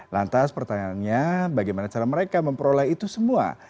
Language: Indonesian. lantas pertanyaannya bagaimana cara mereka memperoleh itu semua